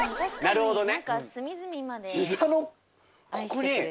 なるほどね。